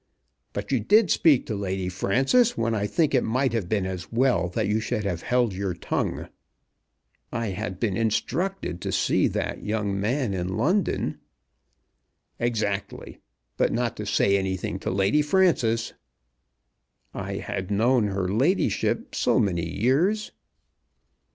"But you did speak to Lady Frances when I think it might have been as well that you should have held your tongue." "I had been instructed to see that young man in London." "Exactly; but not to say anything to Lady Frances." "I had known her ladyship so many years!"